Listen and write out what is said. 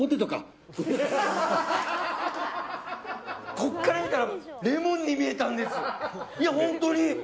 ここから見たらレモンに見えたんです。